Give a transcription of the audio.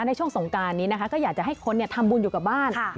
ในช่วงสงการนี้นะคะก็อยากจะให้คนทำบุญอยู่กับบ้าน